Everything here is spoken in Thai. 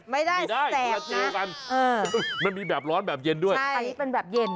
ไม่ได้แต่เจอกันมันมีแบบร้อนแบบเย็นด้วยอันนี้เป็นแบบเย็น